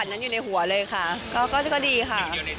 ใช่เหมือนเนอะบรรยากาศไฟอะไรอย่างนี้แบบโอ้โห